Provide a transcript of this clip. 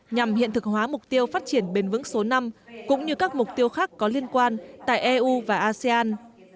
nhằm hiện thực hóa mục tiêu phát triển bền vững số năm cũng như các mục tiêu khác có liên quan tại eu và asean